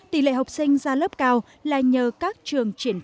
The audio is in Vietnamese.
tỷ lệ học sinh ra lớp cao là nhờ các trường triển khai